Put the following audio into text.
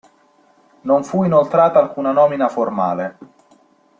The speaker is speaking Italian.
Non fu inoltrata alcuna nomina formale.